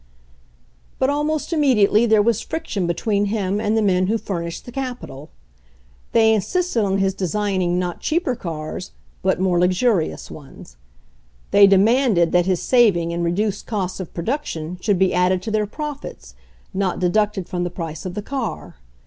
But almost immediately there was friction be tween him and the men who furnished the cap ital. They insisted on his designing not cheaper cars, but more luxurious ones. They demanded that his saving in reduced costs of production should be added to their profits, not deducted from the price of the car.